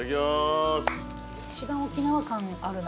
一番沖縄感あるな。